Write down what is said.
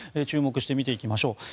注目して、見ていきましょう。